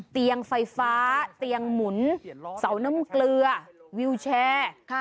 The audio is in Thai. เตียงไฟฟ้าเตียงหมุนเสาน้ำเกลือวิวแชร์